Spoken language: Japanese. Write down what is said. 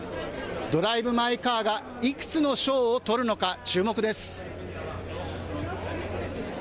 ドライブ・マイ・カーがいくつの賞をとるのか、注目です。